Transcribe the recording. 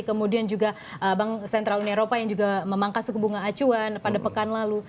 kemudian juga bank sentral uni eropa yang juga memangkas suku bunga acuan pada pekan lalu